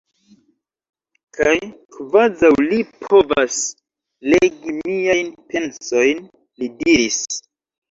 Kaj, kvazaŭ li povas legi miajn pensojn, li diris: